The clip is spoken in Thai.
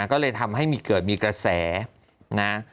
ก็เลยทำให้เกิดมีกระแสนะ